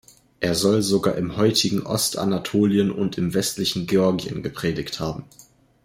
Er soll sogar im heutigen Ostanatolien und im westlichen Georgien gepredigt haben.